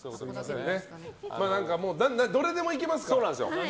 どれでもいけますから。